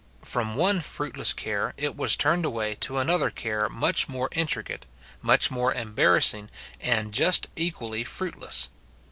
From one fruitless care, it was turned away to another care much more intricate, much more embarrassing, and just equally fruitless.